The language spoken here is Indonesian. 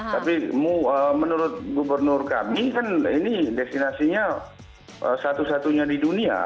tapi menurut gubernur kami kan ini destinasinya satu satunya di dunia